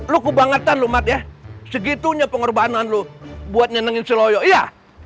lu kebangetan lu segitunya pengorbanan lu buat nyenengin si loyo iya